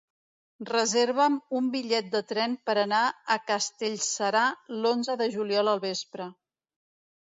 Reserva'm un bitllet de tren per anar a Castellserà l'onze de juliol al vespre.